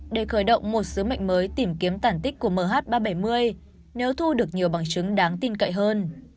để khởi động một sứ mệnh mới tìm kiếm tản tích của mh ba trăm bảy mươi nếu thu được nhiều bằng chứng đáng tin cậy hơn